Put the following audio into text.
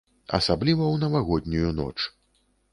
Асабліва ў навагоднюю ноч.